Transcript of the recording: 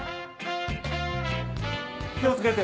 気を付けて。